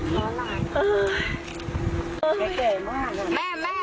แม่เก๋มาก